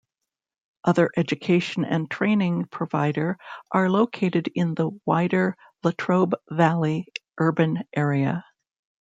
Other education and training provider are located in the wider Latrobe Valley urban area.